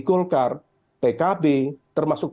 golkar pkb termasuk